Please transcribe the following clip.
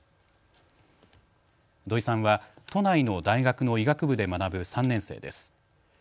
土居さんは都内の大学の医学部で学ぶ３年生です。